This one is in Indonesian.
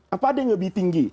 apa ada yang lebih tinggi